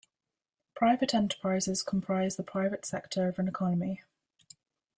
Private enterprises comprise the private sector of an economy.